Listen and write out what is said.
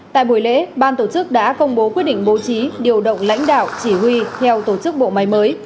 tại buổi lễ ban tổ chức đã công bố quyết định bố trí điều động lãnh đạo chỉ huy theo tổ chức bộ máy mới